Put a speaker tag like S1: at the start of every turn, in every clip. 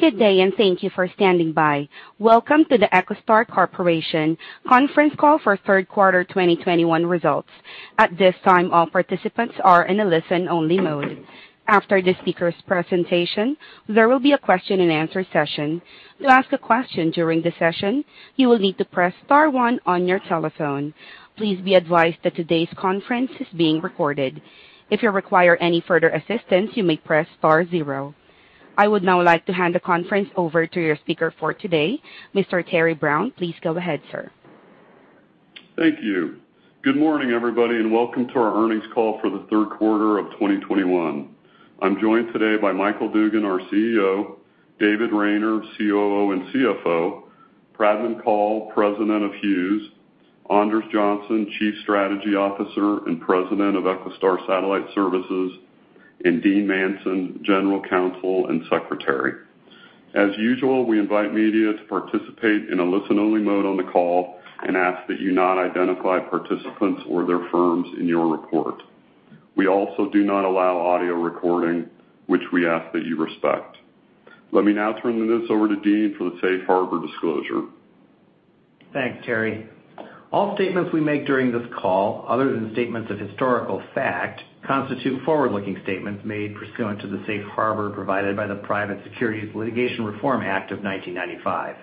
S1: Good day, and thank you for standing by. Welcome to the EchoStar Corporation conference call for third quarter 2021 results. At this time, all participants are in a listen-only mode. After the speaker's presentation, there will be a question-and-answer session. To ask a question during the session, you will need to press star one on your telephone. Please be advised that today's conference is being recorded. If you require any further assistance, you may press star zero. I would now like to hand the conference over to your speaker for today, Mr. Terry Brown. Please go ahead, sir.
S2: Thank you. Good morning, everybody, and welcome to our earnings call for the third quarter of 2021. I'm joined today by Michael Dugan, our CEO, David Rayner, COO and CFO, Pradman Kaul, President of Hughes, Anders Johnson, Chief Strategy Officer and President of EchoStar Satellite Services, and Dean Manson, General Counsel and Secretary. As usual, we invite media to participate in a listen-only mode on the call and ask that you not identify participants or their firms in your report. We also do not allow audio recording, which we ask that you respect. Let me now turn the notes over to Dean for the safe harbor disclosure.
S3: Thanks, Terry. All statements we make during this call, other than statements of historical fact, constitute forward-looking statements made pursuant to the safe harbor provided by the Private Securities Litigation Reform Act of 1995.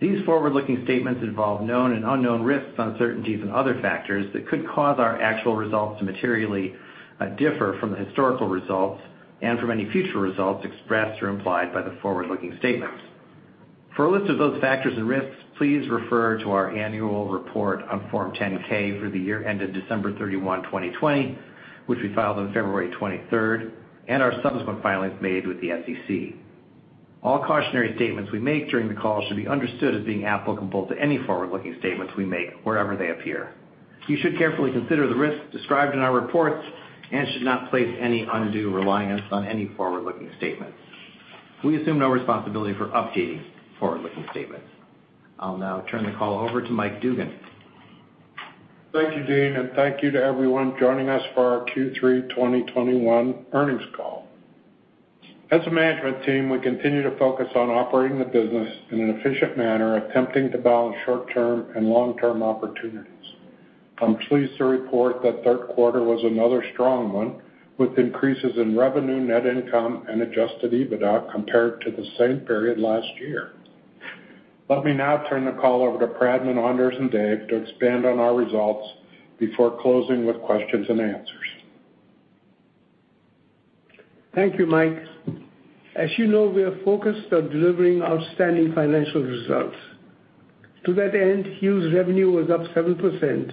S3: These forward-looking statements involve known and unknown risks, uncertainties, and other factors that could cause our actual results to materially differ from the historical results and from any future results expressed or implied by the forward-looking statements. For a list of those factors and risks, please refer to our annual report on Form 10-K for the year ended December 31, 2020, which we filed on February 23, and our subsequent filings made with the SEC. All cautionary statements we make during the call should be understood as being applicable to any forward-looking statements we make wherever they appear. You should carefully consider the risks described in our reports and should not place any undue reliance on any forward-looking statements. We assume no responsibility for updating forward-looking statements. I'll now turn the call over to Mike Dugan.
S4: Thank you, Dean, and thank you to everyone joining us for our Q3 2021 earnings call. As a management team, we continue to focus on operating the business in an efficient manner, attempting to balance short-term and long-term opportunities. I'm pleased to report that third quarter was another strong one, with increases in revenue, net income, and adjusted EBITDA compared to the same period last year. Let me now turn the call over to Pradman, Anders, and Dave to expand on our results before closing with questions and answers.
S5: Thank you, Mike. As you know, we are focused on delivering outstanding financial results. To that end, Hughes revenue was up 7%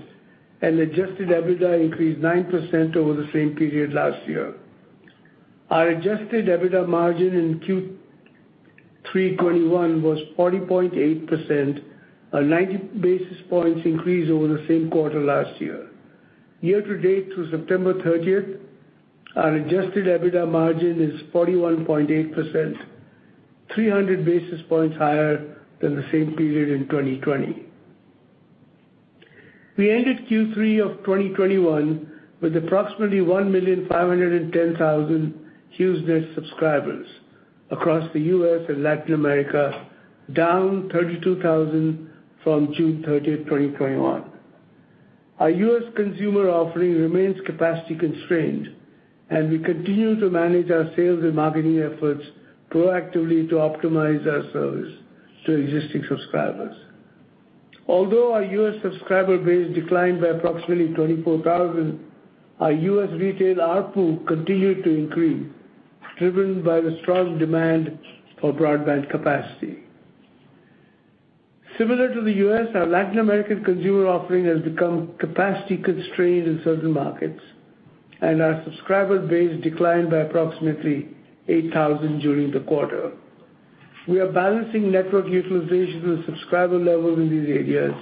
S5: and adjusted EBITDA increased 9% over the same period last year. Our adjusted EBITDA margin in Q3 2021 was 40.8%, a 90 basis points increase over the same quarter last year. Year to date through September 30, our adjusted EBITDA margin is 41.8%, 300 basis points higher than the same period in 2020. We ended Q3 of 2021 with approximately 1,510,000 HughesNet subscribers across the U.S. and Latin America, down 32,000 from June 30, 2021. Our U.S. consumer offering remains capacity constrained, and we continue to manage our sales and marketing efforts proactively to optimize our service to existing subscribers. Although our U.S. subscriber base declined by approximately 24,000, our U.S. retail ARPU continued to increase, driven by the strong demand for broadband capacity. Similar to the U.S., our Latin American consumer offering has become capacity constrained in certain markets, and our subscriber base declined by approximately 8,000 during the quarter. We are balancing network utilization with subscriber levels in these areas,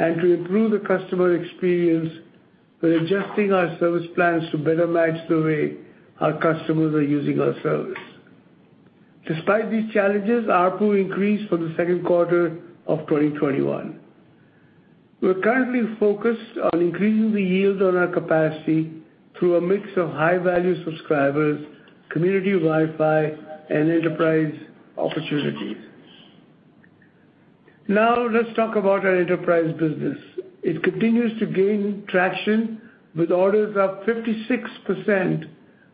S5: and to improve the customer experience, we're adjusting our service plans to better match the way our customers are using our service. Despite these challenges, ARPU increased for the second quarter of 2021. We're currently focused on increasing the yield on our capacity through a mix of high-value subscribers, community Wi-Fi, and enterprise opportunities. Now let's talk about our enterprise business. It continues to gain traction, with orders up 56%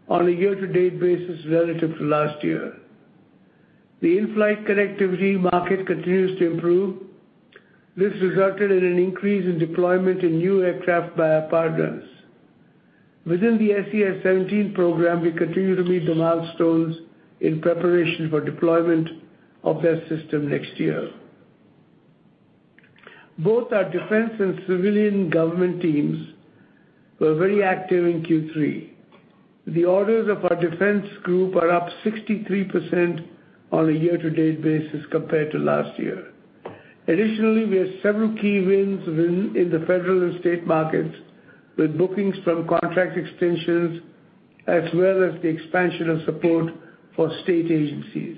S5: on a year-to-date basis relative to last year. The in-flight connectivity market continues to improve. This resulted in an increase in deployment in new aircraft by our partners. Within the SES-17 program, we continue to meet the milestones in preparation for deployment of that system next year. Both our defense and civilian government teams were very active in Q3. The orders of our defense group are up 63% on a year-to-date basis compared to last year. Additionally, we have several key wins in the federal and state markets, with bookings from contract extensions as well as the expansion of support for state agencies.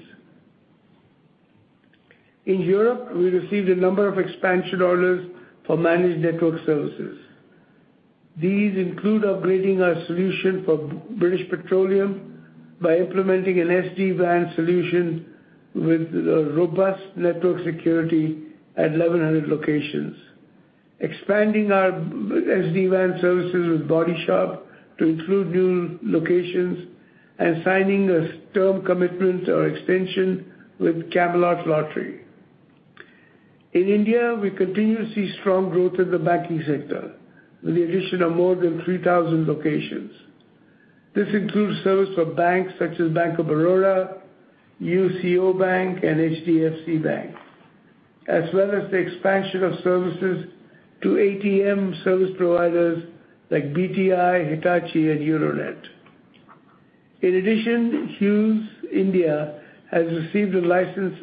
S5: In Europe, we received a number of expansion orders for managed network services. These include upgrading our solution for British Petroleum by implementing an SD-WAN solution with a robust network security at 1,100 locations, expanding our SD-WAN services with Body Shop to include new locations, and signing a term commitment or extension with Camelot Lottery. In India, we continue to see strong growth in the banking sector with the addition of more than 3,000 locations. This includes service for banks such as Bank of Baroda, UCO Bank, and HDFC Bank, as well as the expansion of services to ATM service providers like BTI, Hitachi, and Euronet. In addition, Hughes India has received a license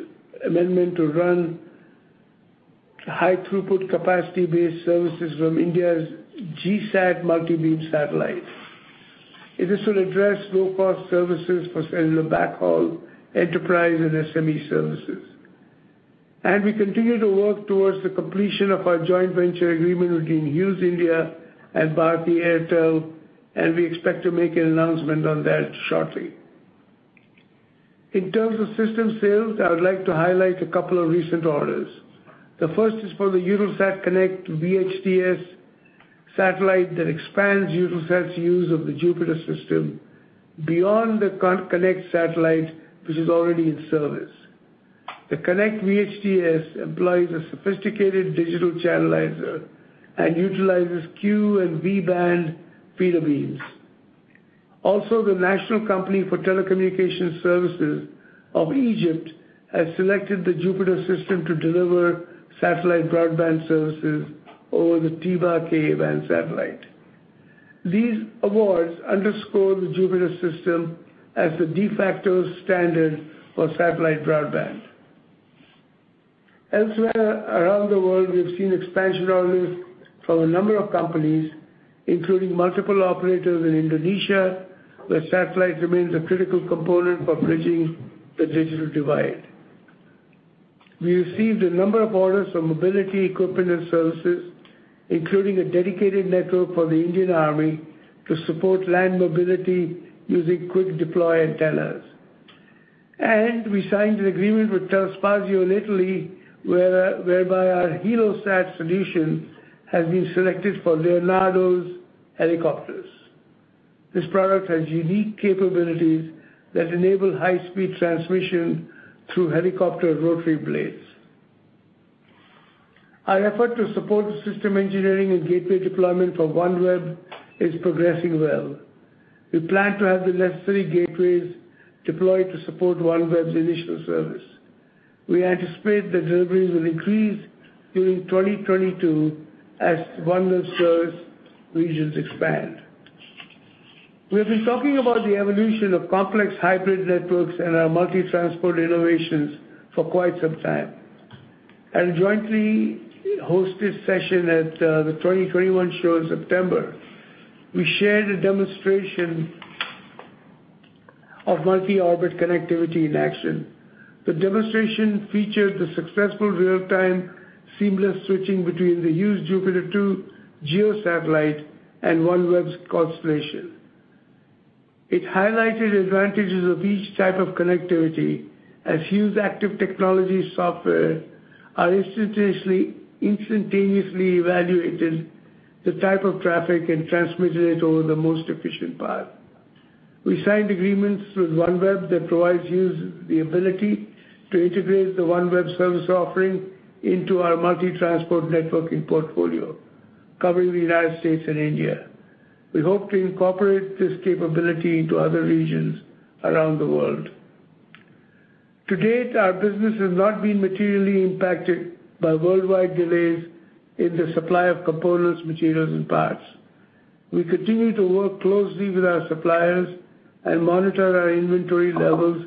S5: amendment to run high throughput capacity-based services from India's GSAT multi-beam satellite. This will address low-cost services for cellular backhaul, enterprise, and SME services. We continue to work towards the completion of our joint venture agreement between Hughes India and Bharti Airtel, and we expect to make an announcement on that shortly. In terms of systems sales, I would like to highlight a couple of recent orders. The first is for the Eutelsat KONNECT VHTS satellite that expands Eutelsat's use of the JUPITER system beyond the continent satellite, which is already in service. The KONNECT VHTS employs a sophisticated digital channelizer and utilizes Q/V-band feed beams. Also, the National Company for Telecommunications Services of Egypt has selected the JUPITER system to deliver satellite broadband services over the TIBA-1 Ka-band satellite. These awards underscore the JUPITER system as the de facto standard for satellite broadband. Elsewhere around the world, we have seen expansion orders from a number of companies, including multiple operators in Indonesia, where satellite remains a critical component for bridging the digital divide. We received a number of orders for mobility equipment and services, including a dedicated network for the Indian Army to support land mobility using quick deploy antennas. We signed an agreement with Telespazio in Italy, whereby our HeloSat solution has been selected for Leonardo's helicopters. This product has unique capabilities that enable high-speed transmission through helicopter rotary blades. Our effort to support the system engineering and gateway deployment for OneWeb is progressing well. We plan to have the necessary gateways deployed to support OneWeb's initial service. We anticipate that deliveries will increase during 2022 as OneWeb service regions expand. We have been talking about the evolution of complex hybrid networks and our multi-transport innovations for quite some time. At a jointly hosted session at the 2021 show in September, we shared a demonstration of multi-orbit connectivity in action. The demonstration featured the successful real-time seamless switching between the Hughes JUPITER 2 GEO satellite and OneWeb's constellation. It highlighted advantages of each type of connectivity as Hughes active technology software are instantaneously evaluated the type of traffic and transmitted it over the most efficient path. We signed agreements with OneWeb that provides Hughes the ability to integrate the OneWeb service offering into our multi-transport networking portfolio covering the United States and India. We hope to incorporate this capability into other regions around the world. To date, our business has not been materially impacted by worldwide delays in the supply of components, materials, and parts. We continue to work closely with our suppliers and monitor our inventory levels,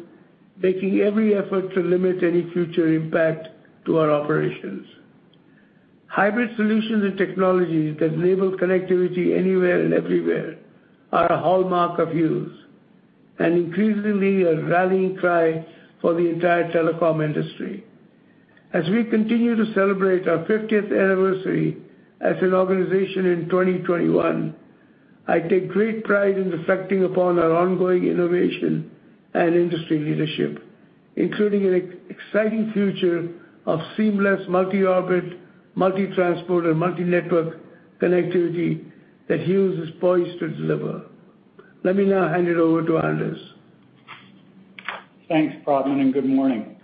S5: making every effort to limit any future impact to our operations. Hybrid solutions and technologies that enable connectivity anywhere and everywhere are a hallmark of Hughes, and increasingly a rallying cry for the entire telecom industry. As we continue to celebrate our fiftieth anniversary as an organization in 2021, I take great pride in reflecting upon our ongoing innovation and industry leadership, including an exciting future of seamless multi-orbit, multi-transport, and multi-network connectivity that Hughes is poised to deliver. Let me now hand it over to Anders.
S6: Thanks, Pradman, and good morning.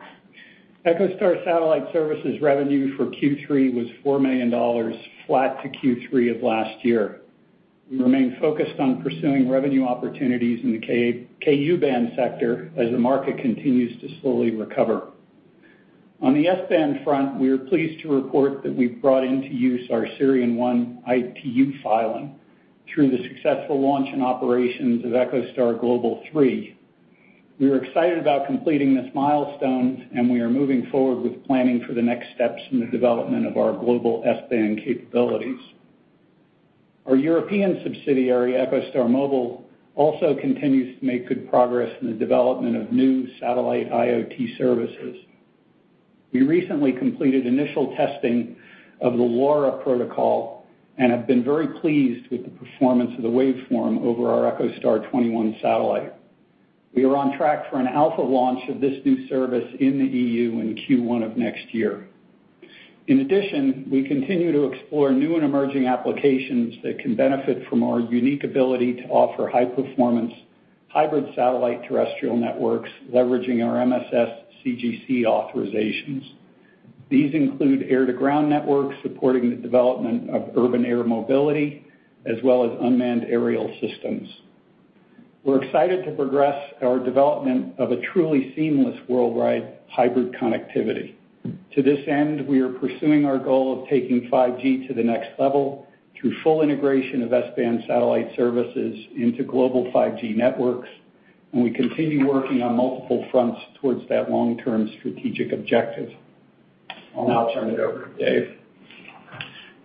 S6: EchoStar Satellite Services revenue for Q3 was $4 million, flat to Q3 of last year. We remain focused on pursuing revenue opportunities in the Ku-band sector as the market continues to slowly recover. On the S-band front, we are pleased to report that we've brought into use our SIRION-1 ITU filing through the successful launch and operations of EchoStar Global 3. We are excited about completing this milestone, and we are moving forward with planning for the next steps in the development of our global S-band capabilities. Our European subsidiary, EchoStar Mobile, also continues to make good progress in the development of new satellite IoT services. We recently completed initial testing of the LoRa protocol and have been very pleased with the performance of the waveform over our EchoStar XXI satellite. We are on track for an alpha launch of this new service in the EU in Q1 of next year. In addition, we continue to explore new and emerging applications that can benefit from our unique ability to offer high performance, hybrid satellite terrestrial networks leveraging our MSS CGC authorizations. These include air-to-ground networks supporting the development of urban air mobility, as well as unmanned aerial systems. We're excited to progress our development of a truly seamless worldwide hybrid connectivity. To this end, we are pursuing our goal of taking 5G to the next level through full integration of S-band satellite services into global 5G networks, and we continue working on multiple fronts towards that long-term strategic objective. I'll now turn it over to Dave.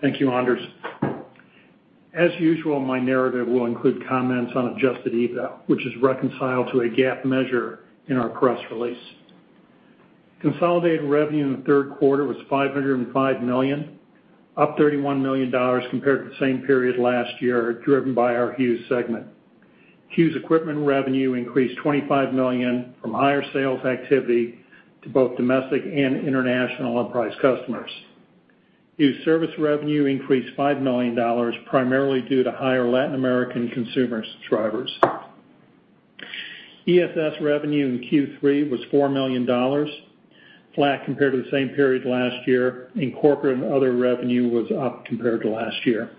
S7: Thank you, Anders. As usual, my narrative will include comments on adjusted EBITDA, which is reconciled to a GAAP measure in our press release. Consolidated revenue in the third quarter was $505 million, up $31 million compared to the same period last year, driven by our Hughes segment. Hughes equipment revenue increased $25 million from higher sales activity to both domestic and international enterprise customers. Hughes service revenue increased $5 million, primarily due to higher Latin American consumer subscribers. ESS revenue in Q3 was $4 million, flat compared to the same period last year, and corporate and other revenue was up compared to last year.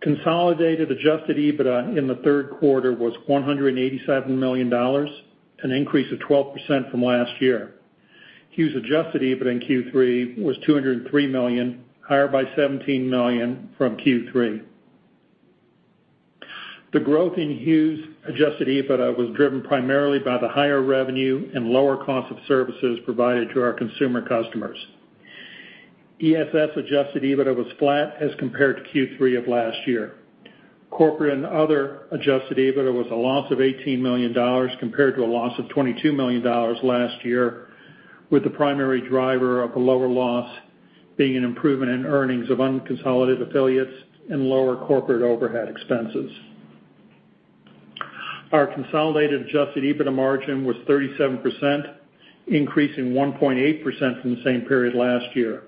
S7: Consolidated adjusted EBITDA in the third quarter was $187 million, an increase of 12% from last year. Hughes adjusted EBITDA in Q3 was $203 million, higher by $17 million from Q3. The growth in Hughes adjusted EBITDA was driven primarily by the higher revenue and lower cost of services provided to our consumer customers. ESS adjusted EBITDA was flat as compared to Q3 of last year. Corporate and other adjusted EBITDA was a loss of $18 million compared to a loss of $22 million last year, with the primary driver of the lower loss being an improvement in earnings of unconsolidated affiliates and lower corporate overhead expenses. Our consolidated adjusted EBITDA margin was 37%, increasing 1.8% from the same period last year.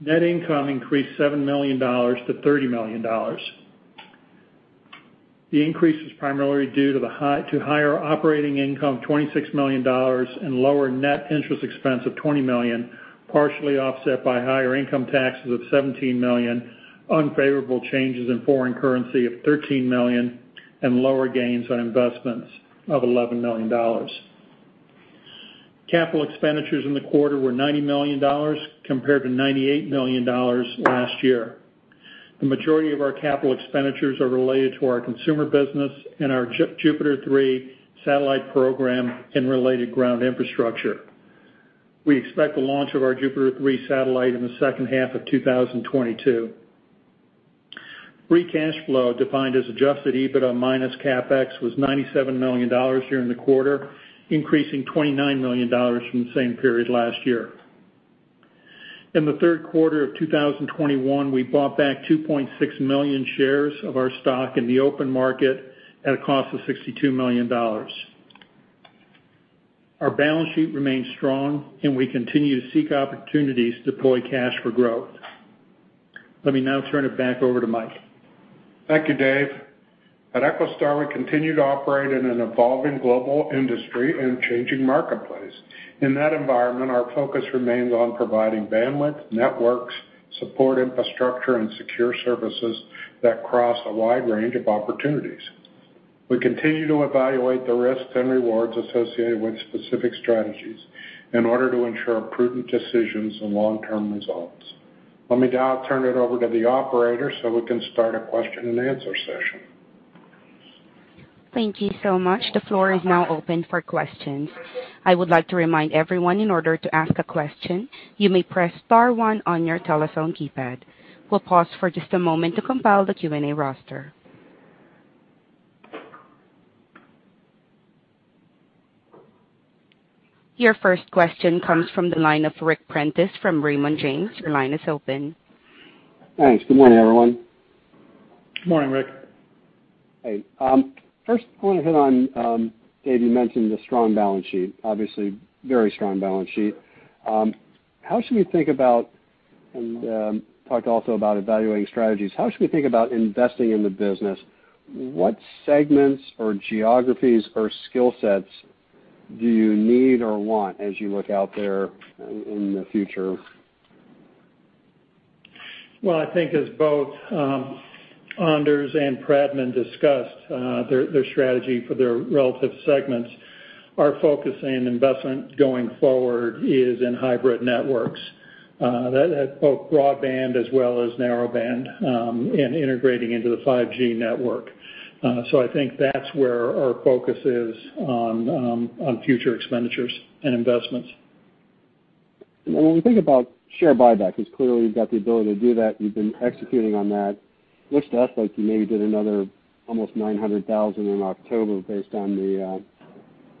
S7: Net income increased $7 million to $30 million. The increase is primarily due to higher operating income of $26 million and lower net interest expense of $20 million, partially offset by higher income taxes of $17 million, unfavorable changes in foreign currency of $13 million, and lower gains on investments of $11 million. Capital expenditures in the quarter were $90 million compared to $98 million last year. The majority of our capital expenditures are related to our consumer business and our JUPITER 3 satellite program and related ground infrastructure. We expect the launch of our JUPITER 3 satellite in the second half of 2022. Free cash flow, defined as adjusted EBITDA minus CapEx, was $97 million during the quarter, increasing $29 million from the same period last year. In the third quarter of 2021, we bought back 2.6 million shares of our stock in the open market at a cost of $62 million. Our balance sheet remains strong, and we continue to seek opportunities to deploy cash for growth. Let me now turn it back over to Mike.
S4: Thank you, Dave. At EchoStar, we continue to operate in an evolving global industry and changing marketplace. In that environment, our focus remains on providing bandwidth, networks, support infrastructure, and secure services that cross a wide range of opportunities. We continue to evaluate the risks and rewards associated with specific strategies in order to ensure prudent decisions and long-term results. Let me now turn it over to the operator so we can start a question and answer session.
S1: Thank you so much. The floor is now open for questions. I would like to remind everyone in order to ask a question, you may press star one on your telephone keypad. We'll pause for just a moment to compile the Q&A roster. Your first question comes from the line of Ric Prentiss from Raymond James. Your line is open.
S8: Thanks. Good morning, everyone.
S7: Good morning, Ric.
S8: Hey. First I want to hit on, Dave, you mentioned the strong balance sheet. Obviously, very strong balance sheet. How should we think about, and talked also about evaluating strategies. How should we think about investing in the business? What segments or geographies or skill sets do you need or want as you look out there in the future?
S7: I think as both Anders and Pradman discussed their strategy for their relative segments, our focus and investment going forward is in hybrid networks that has both broadband as well as narrowband and integrating into the 5G network. I think that's where our focus is on future expenditures and investments.
S8: When we think about share buyback, because clearly you've got the ability to do that, you've been executing on that. Looks to us like you maybe did another almost 900,000 in October based on the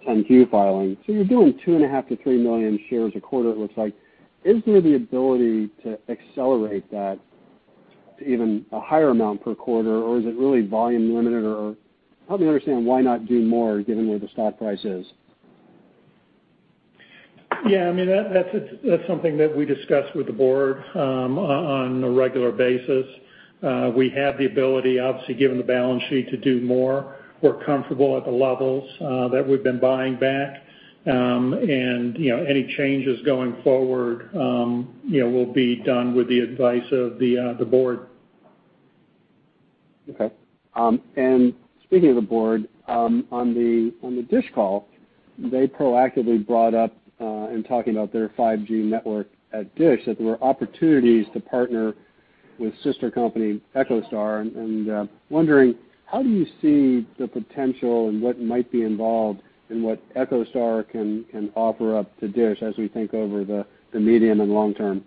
S8: 10-Q filing. You're doing 2.5 million-3 million shares a quarter it looks like. Is there the ability to accelerate that to even a higher amount per quarter, or is it really volume limited? Or help me understand why not do more given where the stock price is.
S7: Yeah, I mean, that's something that we discuss with the board on a regular basis. We have the ability, obviously, given the balance sheet, to do more. We're comfortable at the levels that we've been buying back. You know, any changes going forward, you know, will be done with the advice of the board.
S8: Okay. Speaking of the board, on the DISH call, they proactively brought up, in talking about their 5G network at DISH, that there were opportunities to partner with sister company EchoStar. Wondering how do you see the potential and what might be involved in what EchoStar can offer up to DISH as we think over the medium and long term?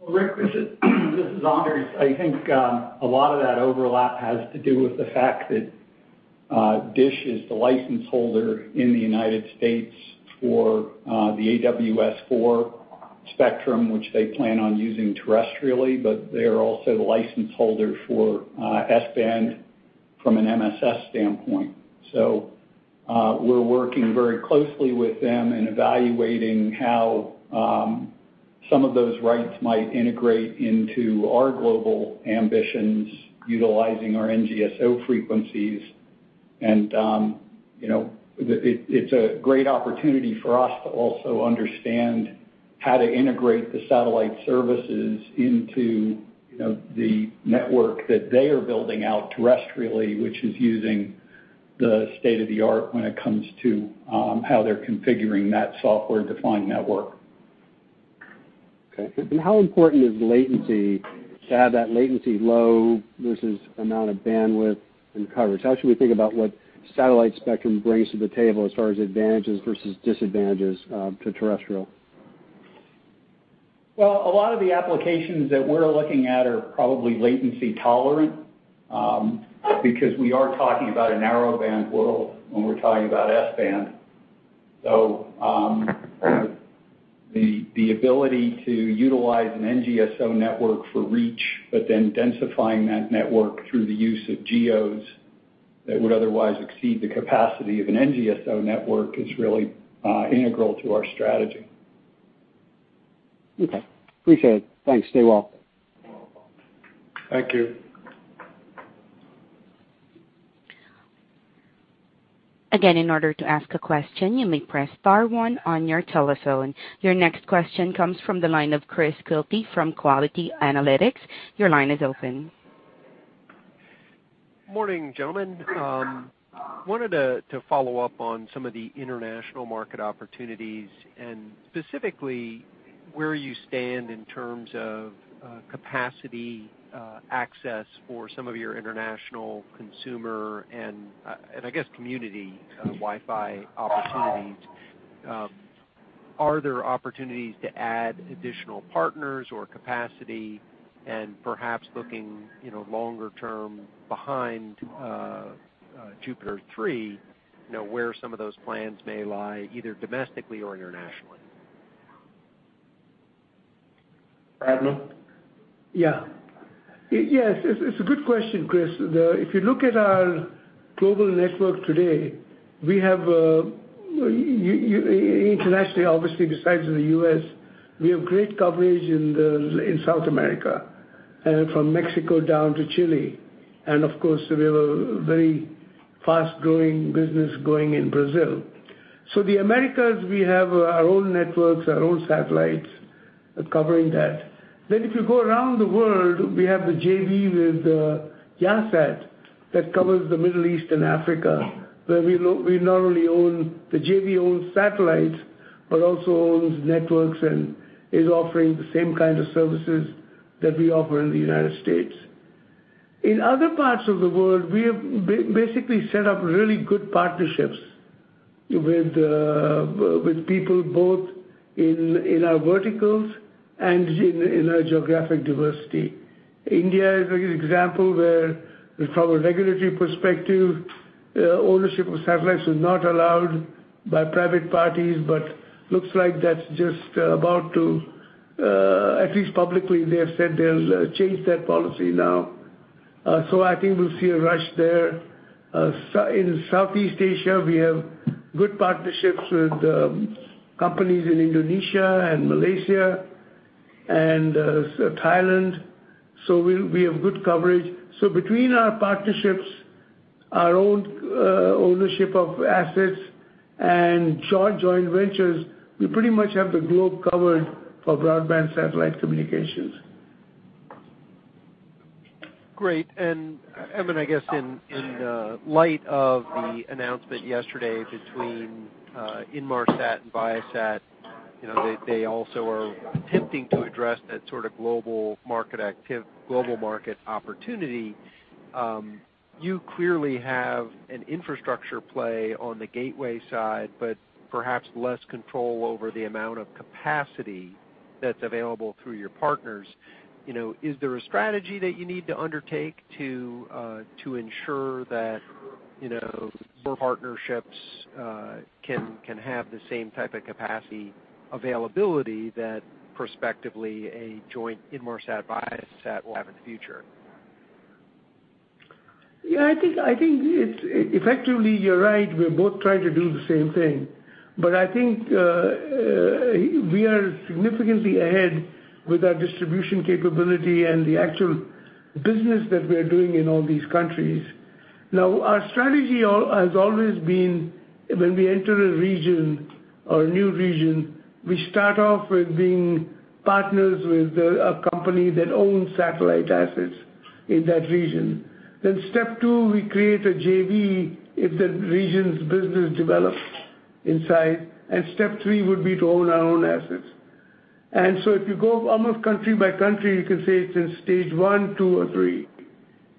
S6: Well, Ric, this is Anders. I think a lot of that overlap has to do with the fact that DISH is the license holder in the United States for the AWS-4 spectrum, which they plan on using terrestrially, but they are also the license holder for S-band from an MSS standpoint. We're working very closely with them in evaluating how some of those rights might integrate into our global ambitions utilizing our NGSO frequencies. You know, it's a great opportunity for us to also understand how to integrate the satellite services into the network that they are building out terrestrially, which is using the state of the art when it comes to how they're configuring that software-defined network.
S8: Okay. How important is latency to have that latency low versus amount of bandwidth and coverage? How should we think about what satellite spectrum brings to the table as far as advantages versus disadvantages to terrestrial?
S6: Well, a lot of the applications that we're looking at are probably latency tolerant, because we are talking about a narrowband world when we're talking about S-band. The ability to utilize an NGSO network for reach, but then densifying that network through the use of GEOs that would otherwise exceed the capacity of an NGSO network is really integral to our strategy.
S8: Okay. Appreciate it. Thanks. Stay well.
S6: Thank you.
S1: Again, in order to ask a question, you may press star one on your telephone. Your next question comes from the line of Chris Quilty from Quilty Analytics. Your line is open.
S9: Morning, gentlemen. I wanted to follow up on some of the international market opportunities, and specifically where you stand in terms of capacity access for some of your international consumer and I guess community Wi-Fi opportunities. Are there opportunities to add additional partners or capacity and perhaps looking, you know, longer term behind JUPITER 3, you know, where some of those plans may lie, either domestically or internationally?
S6: Pradman?
S5: Yes, it's a good question, Chris. If you look at our global network today, we have internationally, obviously besides the U.S., we have great coverage in South America and from Mexico down to Chile. Of course, we have a very fast-growing business going in Brazil. The Americas, we have our own networks, our own satellites covering that. If you go around the world, we have the JV with Yahsat that covers the Middle East and Africa, where the JV not only owns satellites, but also owns networks and is offering the same kinds of services that we offer in the United States. In other parts of the world, we have basically set up really good partnerships with people both in our verticals and in our geographic diversity. India is a good example where from a regulatory perspective, ownership of satellites is not allowed by private parties, but looks like that's just about to, at least publicly, they have said they'll change that policy now. I think we'll see a rush there. In Southeast Asia, we have good partnerships with companies in Indonesia and Malaysia and so Thailand. We have good coverage. Between our partnerships, our own ownership of assets and joint ventures, we pretty much have the globe covered for broadband satellite communications.
S9: Great. Pradman, I guess in the light of the announcement yesterday between Inmarsat and Viasat, you know, they also are attempting to address that sort of global market opportunity. You clearly have an infrastructure play on the gateway side, but perhaps less control over the amount of capacity that's available through your partners. You know, is there a strategy that you need to undertake to ensure that, you know, your partnerships can have the same type of capacity availability that prospectively a joint Inmarsat Viasat will have in the future?
S5: Yeah, I think it's effectively you're right, we're both trying to do the same thing. I think we are significantly ahead with our distribution capability and the actual business that we're doing in all these countries. Now, our strategy has always been when we enter a region or a new region, we start off with being partners with a company that owns satellite assets in that region. Step two, we create a JV if the region's business develops in size. Step three would be to own our own assets. If you go almost country by country, you can say it's in stage one, two, or three.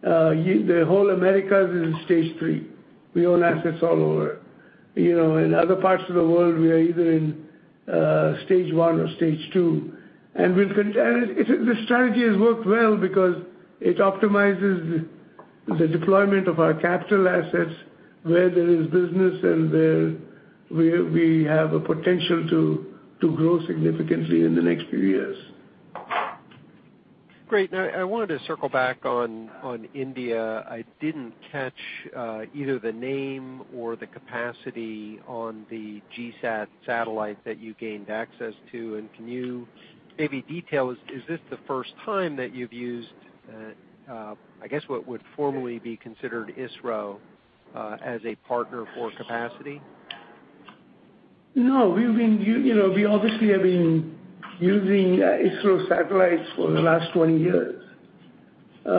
S5: The whole Americas is in stage three. We own assets all over. You know, in other parts of the world, we are either in stage one or stage two. The strategy has worked well because it optimizes the deployment of our capital assets where there is business and where we have a potential to grow significantly in the next few years.
S9: Great. Now I wanted to circle back on India. I didn't catch either the name or the capacity on the GSAT satellite that you gained access to. Can you maybe detail, is this the first time that you've used, I guess, what would formerly be considered ISRO, as a partner for capacity?
S5: No, we've been. You know, we obviously have been using ISRO satellites for the last 20 years. They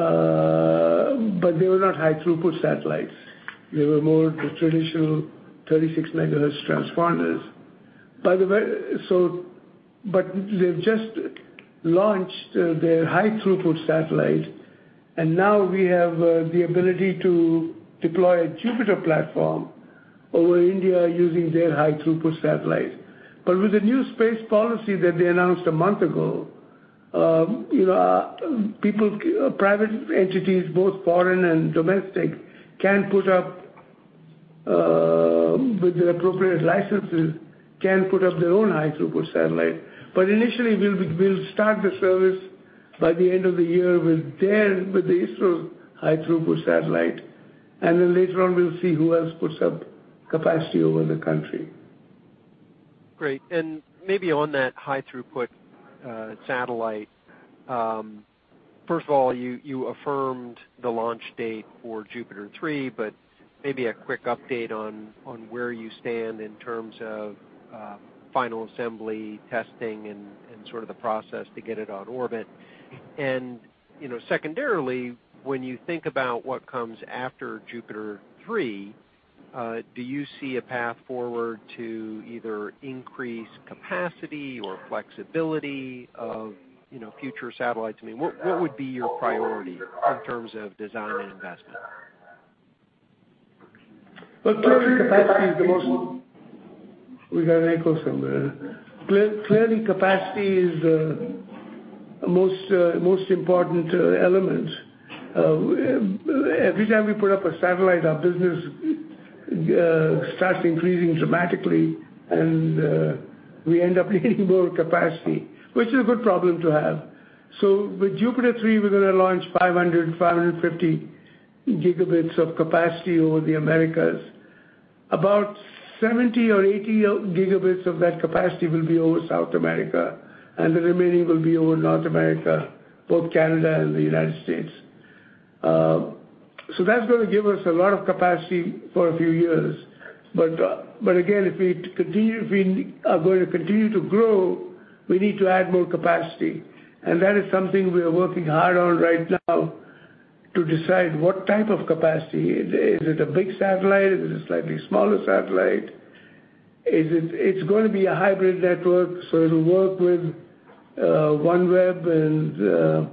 S5: were not high throughput satellites. They were more the traditional 36 MHz transponders. By the way, they've just launched their high throughput satellite, and now we have the ability to deploy a JUPITER platform over India using their high throughput satellite. With the new space policy that they announced a month ago, people, private entities, both foreign and domestic, can put up, with the appropriate licenses, their own high throughput satellite. Initially, we'll start the service by the end of the year with the ISRO high throughput satellite. Then later on, we'll see who else puts up capacity over the country.
S9: Great. Maybe on that high throughput satellite, first of all, you affirmed the launch date for JUPITER 3, but maybe a quick update on where you stand in terms of final assembly testing and sort of the process to get it on orbit. You know, secondarily, when you think about what comes after JUPITER 3, do you see a path forward to either increase capacity or flexibility of future satellites? I mean, what would be your priority in terms of design and investment?
S5: Clearly, capacity is the most important element. Every time we put up a satellite, our business starts increasing dramatically, and we end up needing more capacity, which is a good problem to have. With JUPITER 3, we're gonna launch 550 Gb of capacity over the Americas. About 70 or 80 Gb of that capacity will be over South America, and the remaining will be over North America, both Canada and the United States. That's gonna give us a lot of capacity for a few years. But again, if we continue to grow, we need to add more capacity. That is something we are working hard on right now to decide what type of capacity. Is it a big satellite? Is it a slightly smaller satellite? It's gonna be a hybrid network, so it'll work with OneWeb and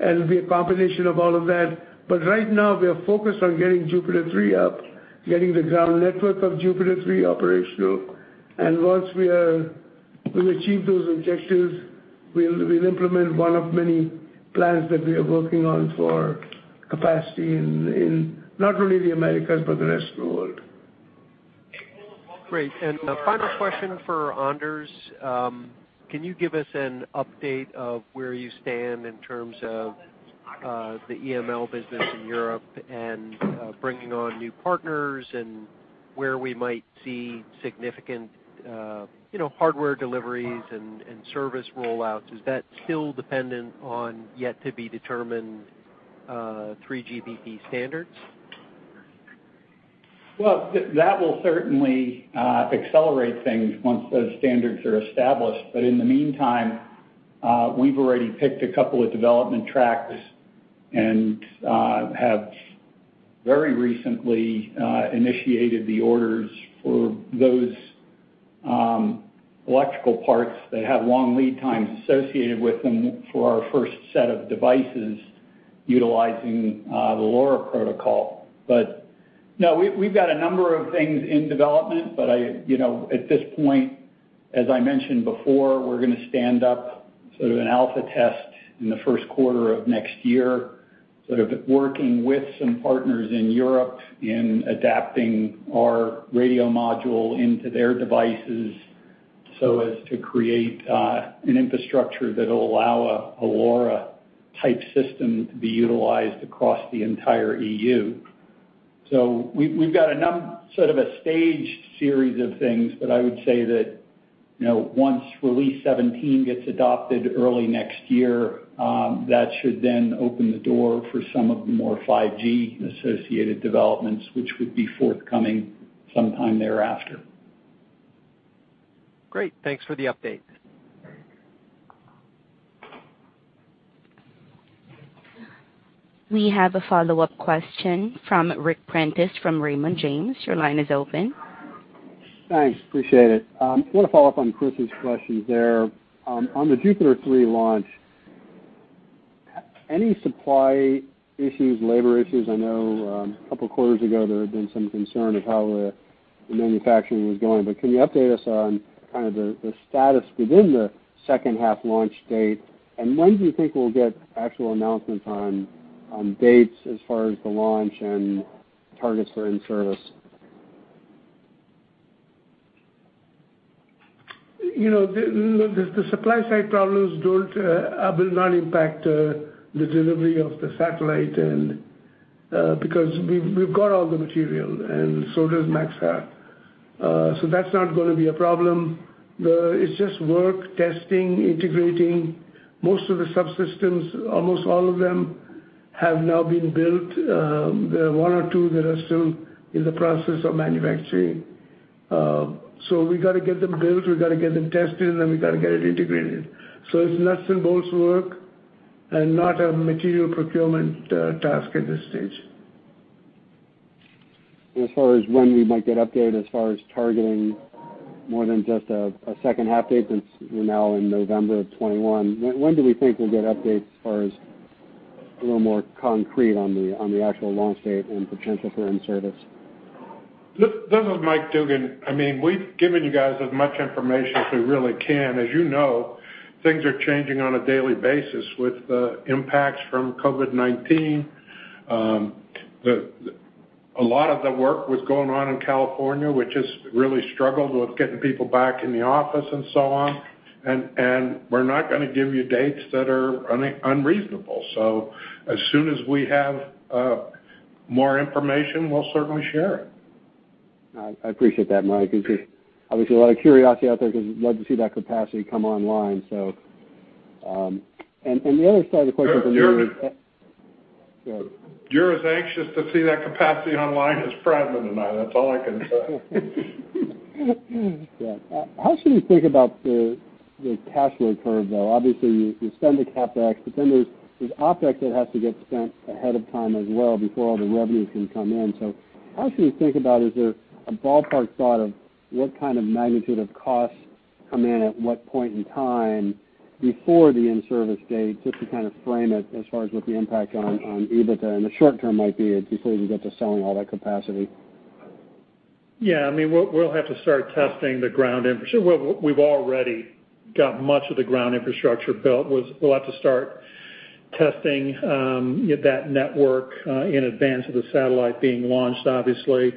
S5: it'll be a combination of all of that. Right now, we are focused on getting JUPITER 3 up, getting the ground network of JUPITER 3 operational. Once we are, we achieve those objectives, we'll implement one of many plans that we are working on for capacity in not only the Americas, but the rest of the world.
S9: Great. A final question for Anders. Can you give us an update of where you stand in terms of the EML business in Europe and bringing on new partners and where we might see significant hardware deliveries and service rollouts? Is that still dependent on yet to be determined 3GPP standards?
S6: Well, that will certainly accelerate things once those standards are established. In the meantime, we've already picked a couple of development tracks and have very recently initiated the orders for those electrical parts that have long lead times associated with them for our first set of devices. Utilizing the LoRa protocol. But no, we've got a number of things in development, but you know, at this point, as I mentioned before, we're gonna stand up sort of an alpha test in the first quarter of next year, sort of working with some partners in Europe in adapting our radio module into their devices so as to create an infrastructure that will allow a LoRa-type system to be utilized across the entire EU. So we've got sort of a staged series of things, but I would say that you know, once Release 17 gets adopted early next year, that should then open the door for some of the more 5G associated developments, which would be forthcoming sometime thereafter.
S9: Great. Thanks for the update.
S1: We have a follow-up question from Ric Prentiss from Raymond James. Your line is open.
S8: Thanks. Appreciate it. I wanna follow up on Chris's questions there. On the JUPITER 3 launch, any supply issues, labor issues? I know, a couple quarters ago there had been some concern of how the manufacturing was going. Can you update us on kind of the status within the second half launch date? And when do you think we'll get actual announcements on dates as far as the launch and targets for in-service?
S5: The supply side problems will not impact the delivery of the satellite because we've got all the material and so does Maxar. That's not gonna be a problem. It's just work, testing, integrating most of the subsystems. Almost all of them have now been built. There are one or two that are still in the process of manufacturing. We gotta get them built, we gotta get them tested, and we gotta get it integrated. It's nuts and bolts work and not a material procurement task at this stage.
S8: As far as when we might get updated as far as targeting more than just a second half date, since we're now in November of 2021. When do we think we'll get updates as far as a little more concrete on the actual launch date and potential for in-service?
S4: This is Mike Dugan. I mean, we've given you guys as much information as we really can. As you know, things are changing on a daily basis with impacts from COVID-19. A lot of the work was going on in California, which has really struggled with getting people back in the office and so on. We're not gonna give you dates that are unreasonable. As soon as we have more information, we'll certainly share it.
S8: I appreciate that, Mike. Obviously a lot of curiosity out there 'cause I'd love to see that capacity come online. The other side of the question from me-
S4: You're as anxious to see that capacity online as Pradman and I. That's all I can say.
S8: Yeah. How should we think about the cash flow curve, though? Obviously you spend the CapEx, but then there's OpEx that has to get spent ahead of time as well before all the revenue can come in. So how should we think about, is there a ballpark thought of what kind of magnitude of costs come in at what point in time before the in-service date, just to kind of frame it as far as what the impact on EBITDA in the short term might be before you can get to selling all that capacity?
S7: Yeah. I mean, we'll have to start testing the ground infrastructure, so we've already got much of the ground infrastructure built. We'll have to start testing that network in advance of the satellite being launched, obviously.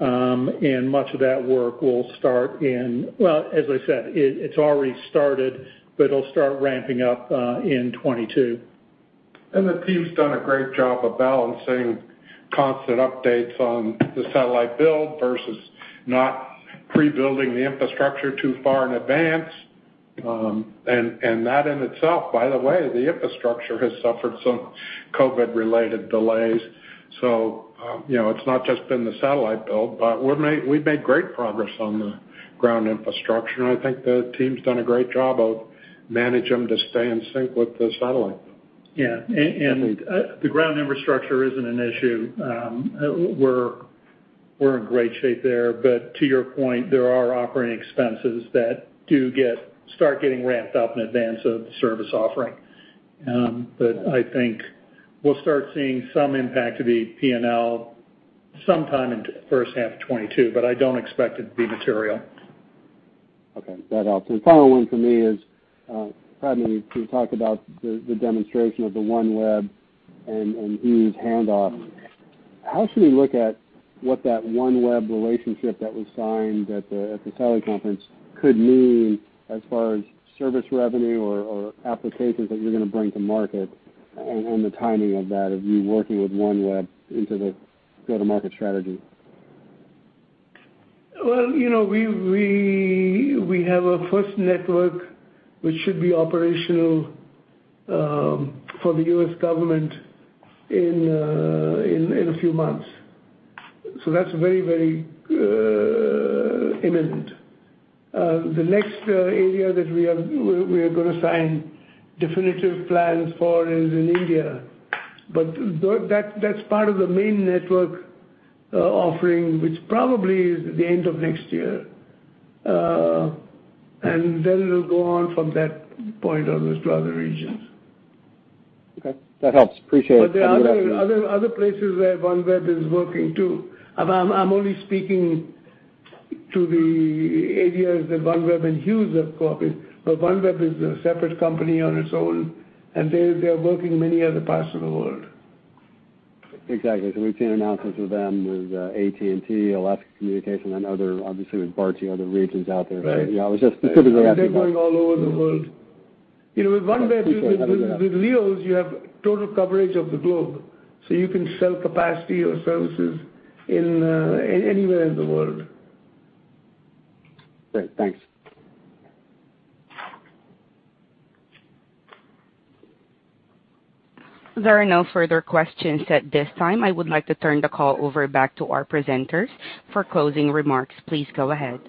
S7: Much of that work, well, as I said, it's already started, but it'll start ramping up in 2022.
S4: The team's done a great job of balancing constant updates on the satellite build versus not pre-building the infrastructure too far in advance. That in itself, by the way, the infrastructure has suffered some COVID-related delays. You know, it's not just been the satellite build, but we've made great progress on the ground infrastructure, and I think the team's done a great job of managing to stay in sync with the satellite.
S7: The ground infrastructure isn't an issue. We're in great shape there. To your point, there are operating expenses that start getting ramped up in advance of the service offering. I think we'll start seeing some impact to the P&L sometime in first half 2022, but I don't expect it to be material.
S8: Okay. That helps. Final one for me is, Pradman, can you talk about the demonstration of the OneWeb and Hughes handoff? How should we look at what that OneWeb relationship that was signed at the satellite conference could mean as far as service revenue or applications that you're gonna bring to market and the timing of you working with OneWeb into the go-to-market strategy?
S5: Well, you know, we have a first network which should be operational for the U.S. government in a few months. That's very imminent. The next area that we are gonna sign definitive plans for is in India. That's part of the main network offering, which probably is the end of next year. It'll go on from that point on those to other regions.
S8: Okay. That helps. I appreciate it.
S5: There are other places where OneWeb is working too. I'm only speaking to the areas that OneWeb and Hughes have copied. OneWeb is a separate company on its own, and they're working many other parts of the world.
S8: Exactly. We've seen announcements with them, with AT&T, Alaska Communications, and other, obviously with Bharti, other regions out there.
S5: Right.
S8: I was just specifically asking about.
S5: They're going all over the world. You know, with OneWeb.
S8: Appreciate it.
S5: With LEOs, you have total coverage of the globe, so you can sell capacity or services in anywhere in the world.
S8: Great. Thanks.
S1: There are no further questions at this time. I would like to turn the call back over to our presenters for closing remarks. Please go ahead.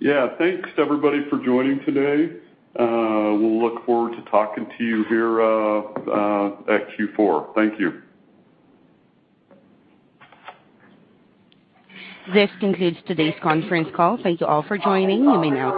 S2: Yeah. Thanks everybody for joining today. We'll look forward to talking to you here at Q4. Thank you.
S1: This concludes today's conference call. Thank you all for joining. You may now disconnect.